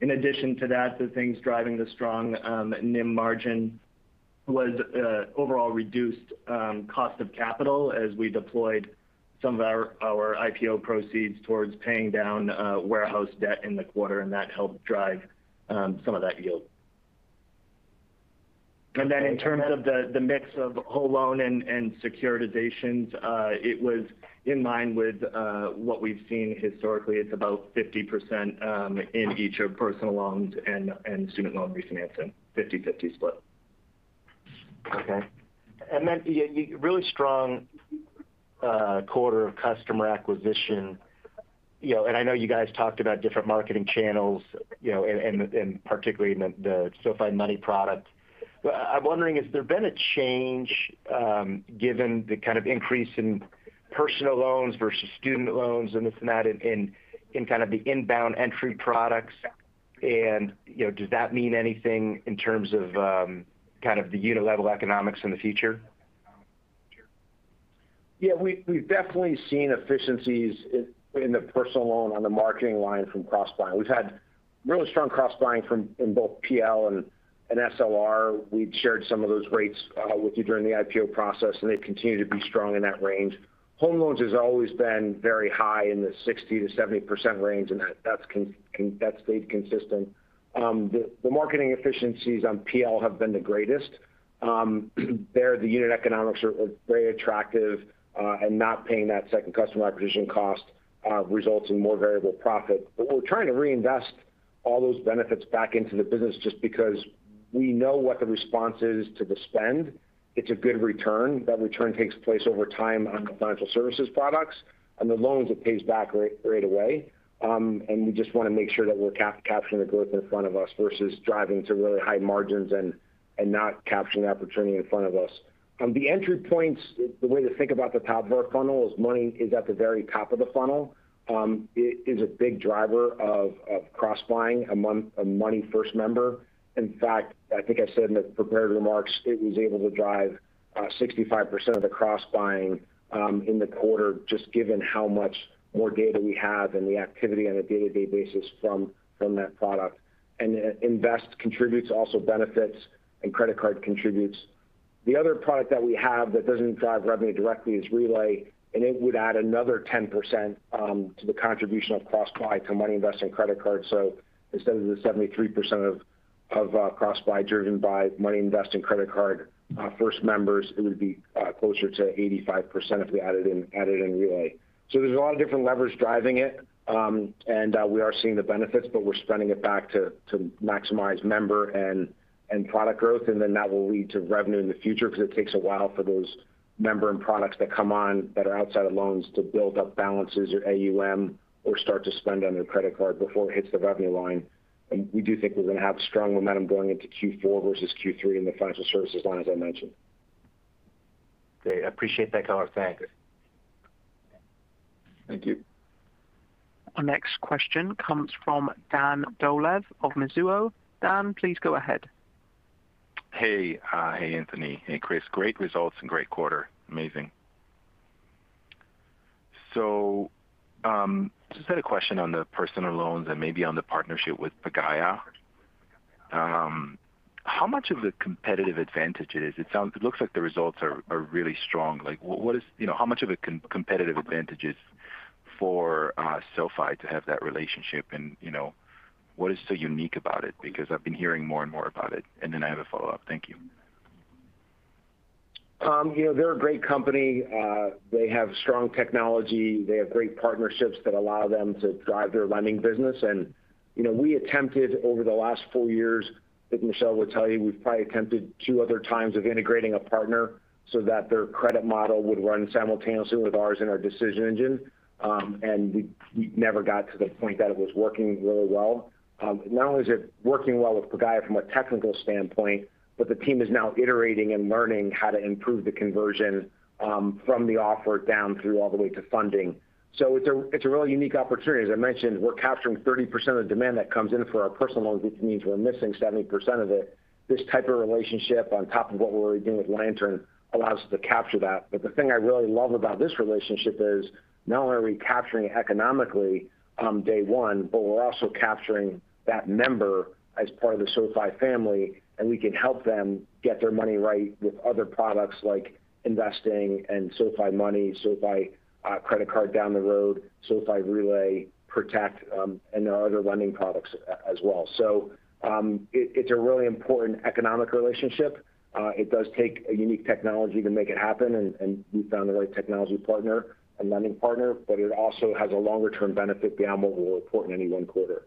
In addition to that, the things driving the strong NIM margin was overall reduced cost of capital as we deployed some of our IPO proceeds towards paying down warehouse debt in the quarter, and that helped drive some of that yield. Then in terms of the mix of whole loan and securitizations, it was in line with what we've seen historically. It's about 50% in each of personal loans and student loan refinancing. 50/50 split. Okay. Really strong quarter of customer acquisition. You know, I know you guys talked about different marketing channels, you know, and particularly in the SoFi Money product. I'm wondering, has there been a change, given the kind of increase in personal loans versus student loans and this and that, in kind of the inbound entry products? You know, does that mean anything in terms of kind of the unit level economics in the future? Yeah. We've definitely seen efficiencies in the personal loan on the marketing line from cross-buying. We've had really strong cross-buying in both PL and SLR. We've shared some of those rates with you during the IPO process, and they've continued to be strong in that range. Home loans has always been very high in the 60%-70% range, and that's consistent. The marketing efficiencies on PL have been the greatest. There, the unit economics are very attractive and not paying that second customer acquisition cost results in more variable profit. We're trying to reinvest all those benefits back into the business just because we know what the response is to the spend. It's a good return. That return takes place over time on the financial services products. On the loans, it pays back right away. We just want to make sure that we're capturing the growth in front of us versus driving to really high margins and not capturing the opportunity in front of us. The entry points, the way to think about the top of our funnel is, Money is at the very top of the funnel. It is a big driver of cross-buying among a Money first member. In fact, I think I said in the prepared remarks, it was able to drive 65% of the cross-buying in the quarter just given how much more data we have and the activity on a day-to-day basis from that product. Invest contributes also benefits, and Credit Card contributes. The other product that we have that doesn't drive revenue directly is Relay, and it would add another 10% to the contribution of cross-buy to Money, Invest, and Credit Card. Instead of the 73% of cross-buy driven by Money, Invest, and Credit Card first members, it would be closer to 85% if we added in Relay. There's a lot of different levers driving it, and we are seeing the benefits, but we're spending it back to maximize member and product growth, and then that will lead to revenue in the future because it takes a while for those member and products that come on that are outside of loans to build up balances or AUM or start to spend on their credit card before it hits the revenue line. We do think we're going to have strong momentum going into Q4 versus Q3 in the financial services line, as I mentioned. Great. I appreciate that color. Thanks. Thank you. Our next question comes from Dan Dolev of Mizuho. Dan, please go ahead. Hey, Anthony. Hey, Chris. Great results and great quarter. Amazing. Just had a question on the personal loans and maybe on the partnership with Pagaya. How much of a competitive advantage is, it looks like the results are really strong, you know, how much of a competitive advantage is it for SoFi to have that relationship? You know, what is so unique about it? Because I've been hearing more and more about it. Then I have a follow-up. Thank you. You know, they're a great company. They have strong technology. They have great partnerships that allow them to drive their lending business. You know, we attempted over the last four years, as Michelle would tell you, we've probably attempted two other times of integrating a partner so that their credit model would run simultaneously with ours in our decision engine. We never got to the point that it was working really well. Not only is it working well with Pagaya from a technical standpoint, but the team is now iterating and learning how to improve the conversion from the offer down through all the way to funding. It's a really unique opportunity. As I mentioned, we're capturing 30% of the demand that comes in for our personal loans, which means we're missing 70% of it. This type of relationship on top of what we're already doing with Lantern allows us to capture that. The thing I really love about this relationship is not only are we capturing economically, day one, but we're also capturing that member as part of the SoFi family, and we can help them get their money right with other products like investing and SoFi Money, SoFi Credit Card down the road, SoFi Relay, Protect, and our other lending products as well. It's a really important economic relationship. It does take a unique technology to make it happen, and we found the right technology partner and lending partner, but it also has a longer-term benefit beyond what we'll report in any one quarter.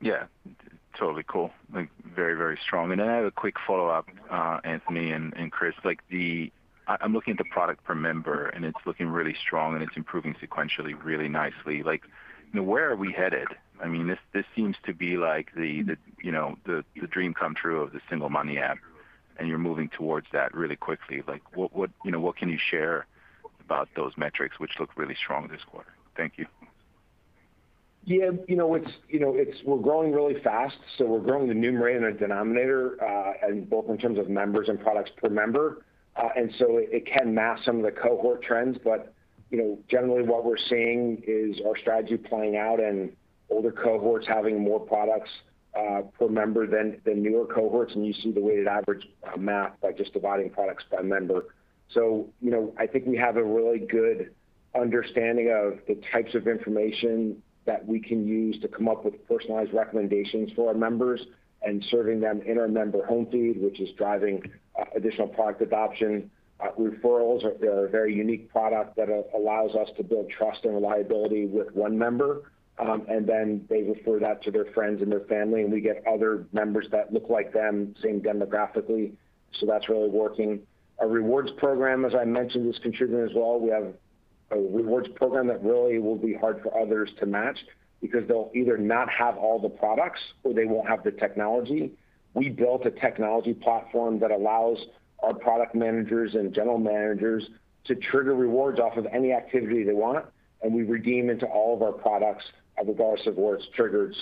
Yeah. Totally cool. Like, very, very strong. I have a quick follow-up, Anthony and Chris. I'm looking at the product per member, and it's looking really strong, and it's improving sequentially really nicely. Like, you know, where are we headed? I mean, this seems to be like the dream come true of the single money app, and you're moving towards that really quickly. Like what, you know, what can you share about those metrics which look really strong this quarter? Thank you. Yeah. You know, it's, we're growing really fast, so we're growing the numerator and the denominator and both in terms of members and products per member. And so it can mask some of the cohort trends. You know, generally what we're seeing is our strategy playing out and older cohorts having more products per member than newer cohorts, and you see the weighted average math by just dividing products by member. You know, I think we have a really good understanding of the types of information that we can use to come up with personalized recommendations for our members and serving them in our Member Home feed, which is driving additional product adoption. Referrals are a very unique product that allows us to build trust and reliability with one member, and then they refer that to their friends and their family, and we get other members that look like them, same demographically. That's really working. Our rewards program, as I mentioned, is contributing as well. We have a rewards program that really will be hard for others to match because they'll either not have all the products or they won't have the technology. We built a technology platform that allows our product managers and general managers to trigger rewards off of any activity they want, and we redeem into all of our products regardless of where it's triggered.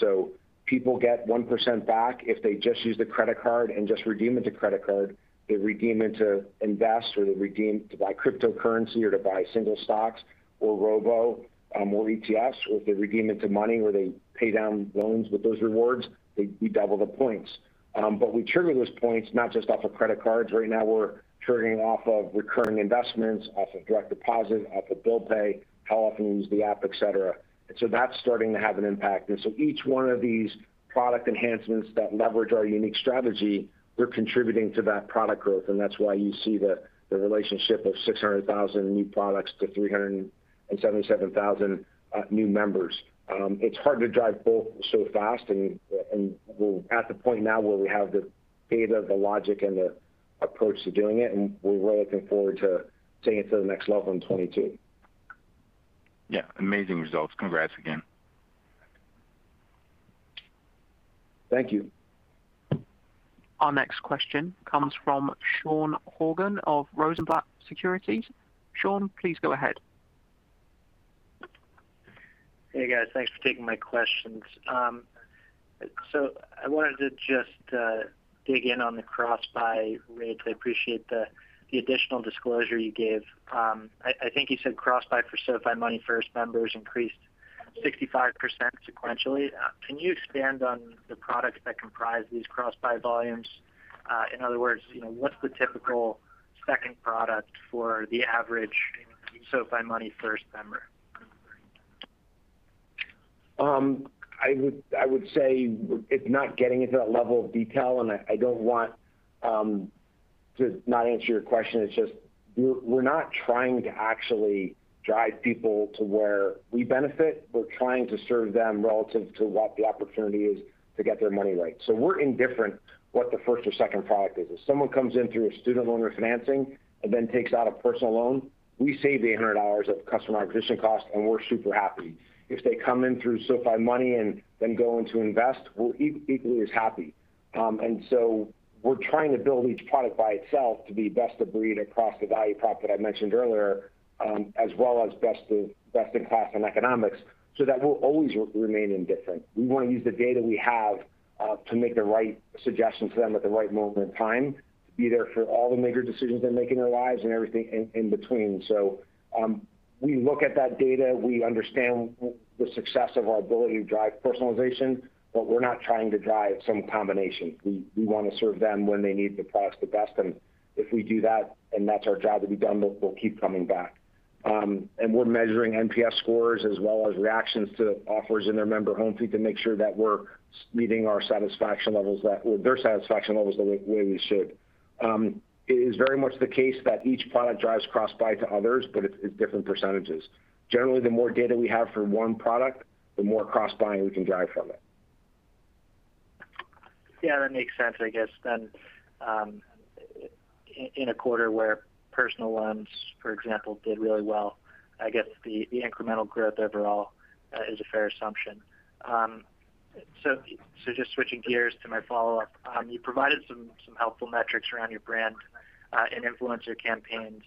People get 1% back if they just use the credit card and just redeem it to credit card. They redeem into invest, or they redeem to buy cryptocurrency or to buy single stocks or robo, or ETFs, or if they redeem into money or they pay down loans with those rewards, we double the points. We trigger those points not just off of credit cards. Right now, we're triggering off of recurring investments, off of direct deposit, off of bill pay, how often you use the app, et cetera. That's starting to have an impact. Each one of these product enhancements that leverage our unique strategy, we're contributing to that product growth. That's why you see the relationship of 600,000 new products to 377,000 new members. It's hard to drive both so fast. We're at the point now where we have the data, the logic, and the approach to doing it, and we're really looking forward to taking it to the next level in 2022. Yeah. Amazing results. Congrats again. Thank you. Our next question comes from Sean Horgan of Rosenblatt Securities. Sean, please go ahead. Hey, guys. Thanks for taking my questions. I wanted to just dig in on the cross-buy rates. I appreciate the additional disclosure you gave. I think you said cross-buy for SoFi Money first members increased 65% sequentially. Can you expand on the products that comprise these cross-buy volumes? In other words, you know, what's the typical second product for the average SoFi Money first member? I would say it's not getting into that level of detail, and I don't want to not answer your question. It's just we're not trying to actually drive people to where we benefit. We're trying to serve them relative to what the opportunity is to get their money right. We're indifferent what the first or second product is. If someone comes in through a student loan refinancing and then takes out a personal loan, we save $800 of customer acquisition cost, and we're super happy. If they come in through SoFi Money and then go into Invest, we're equally as happy. We're trying to build each product by itself to be best of breed across the value prop that I mentioned earlier, as well as best in class in economics. That will always remain independent. We want to use the data we have to make the right suggestion to them at the right moment in time, be there for all the major decisions they make in their lives and everything in between. We look at that data. We understand the success of our ability to drive personalization, but we're not trying to drive some combination. We want to serve them when they need the product the best. If we do that, and that's our job to be done, they will keep coming back. We're measuring NPS scores as well as reactions to offers in their Member Home feed to make sure that we're meeting our satisfaction levels that or their satisfaction levels the way we should. It is very much the case that each product drives cross-buy to others, but it's different percentages. Generally, the more data we have for one product, the more cross-buying we can drive from it. Yeah, that makes sense. I guess then, in a quarter where personal loans, for example, did really well, I guess the incremental growth overall is a fair assumption. So just switching gears to my follow-up. You provided some helpful metrics around your brand and influencer campaigns,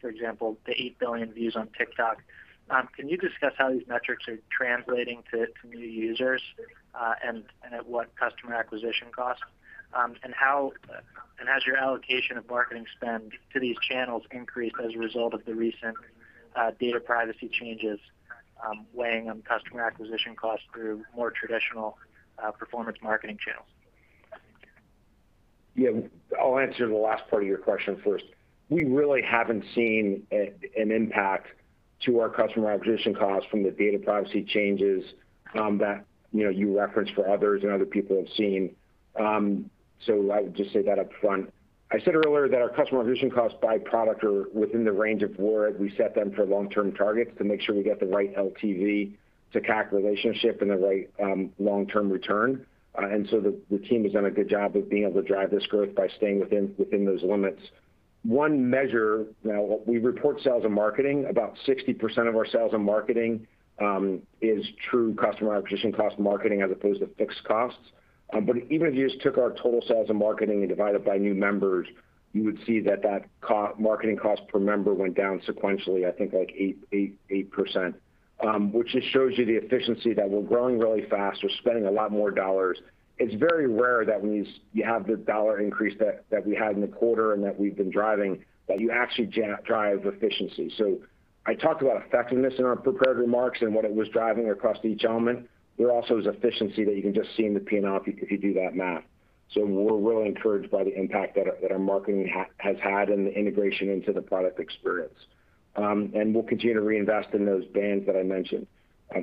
for example, the 8 billion views on TikTok. Can you discuss how these metrics are translating to new users and at what customer acquisition cost? Has your allocation of marketing spend to these channels increased as a result of the recent data privacy changes weighing on customer acquisition costs through more traditional performance marketing channels? Yeah. I'll answer the last part of your question first. We really haven't seen an impact to our customer acquisition costs from the data privacy changes that, you know, you referenced for others and other people have seen. I would just say that up front. I said earlier that our customer acquisition costs by product are within the range of where we set them for long-term targets to make sure we get the right LTV to CAC relationship and the right long-term return. The team has done a good job of being able to drive this growth by staying within those limits. One measure, now we report sales and marketing. About 60% of our sales and marketing is true customer acquisition cost marketing as opposed to fixed costs. Even if you just took our total sales and marketing and divide it by new members, you would see that marketing cost per member went down sequentially, I think like 8%, which just shows you the efficiency that we're growing really fast. We're spending a lot more dollars. It's very rare that when you have the dollar increase that we had in the quarter and that we've been driving, that you actually drive efficiency. I talked about effectiveness in our prepared remarks and what it was driving across to each element. There also is efficiency that you can just see in the P&L if you do that math. We're really encouraged by the impact that our marketing has had in the integration into the product experience. We'll continue to reinvest in those brands that I mentioned.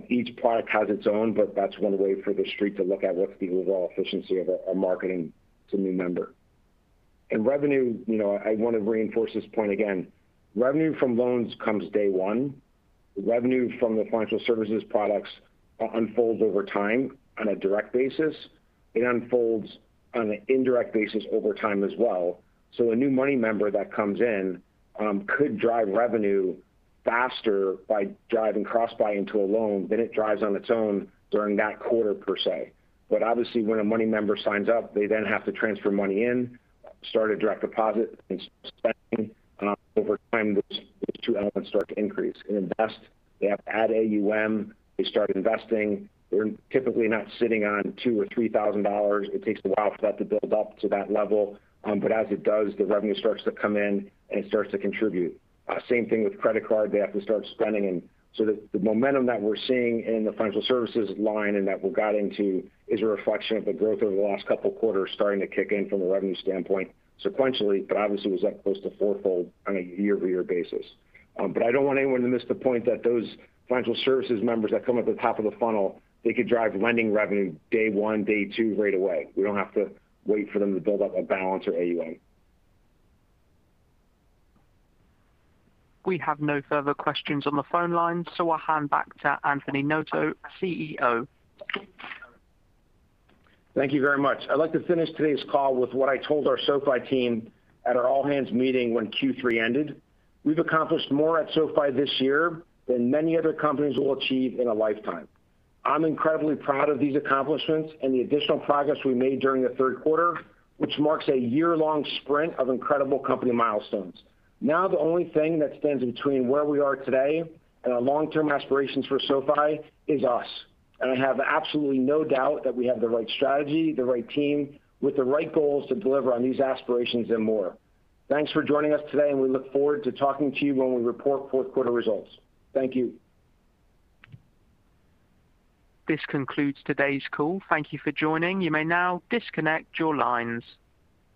Each product has its own, but that's one way for the Street to look at what's the overall efficiency of our marketing to new member. In revenue, you know, I want to reinforce this point again. Revenue from loans comes day one. Revenue from the financial services products unfolds over time on a direct basis. It unfolds on an indirect basis over time as well. A new Money member that comes in could drive revenue faster by driving cross-buy into a loan than it drives on its own during that quarter per se. Obviously, when a Money member signs up, they then have to transfer money in, start a direct deposit, and start spending. Over time, those two elements start to increase. In Invest, they have to add AUM. They start investing. They're typically not sitting on $2,000-$3,000. It takes a while for that to build up to that level. As it does, the revenue starts to come in, and it starts to contribute. Same thing with Credit Card. They have to start spending. The momentum that we're seeing in the financial services line and that we got into is a reflection of the growth over the last couple quarters starting to kick in from a revenue standpoint sequentially, but obviously was up close to four-fold on a year-over-year basis. I don't want anyone to miss the point that those financial services members that come at the top of the funnel, they could drive lending revenue day one, day two, right away. We don't have to wait for them to build up a balance or AUM. We have no further questions on the phone line, so I'll hand back to Anthony Noto, CEO. Thank you very much. I'd like to finish today's call with what I told our SoFi team at our all-hands meeting when Q3 ended. We've accomplished more at SoFi this year than many other companies will achieve in a lifetime. I'm incredibly proud of these accomplishments and the additional progress we made during the third quarter, which marks a year-long sprint of incredible company milestones. Now, the only thing that stands between where we are today and our long-term aspirations for SoFi is us, and I have absolutely no doubt that we have the right strategy, the right team, with the right goals to deliver on these aspirations and more. Thanks for joining us today, and we look forward to talking to you when we report fourth quarter results. Thank you. This concludes today's call. Thank you for joining. You may now disconnect your lines.